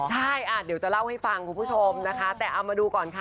ใช่เดี๋ยวจะเล่าให้ฟังคุณผู้ชมนะคะแต่เอามาดูก่อนค่ะ